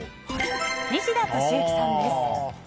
西田敏行さんです。